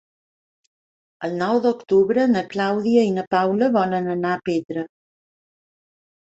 El nou d'octubre na Clàudia i na Paula volen anar a Petra.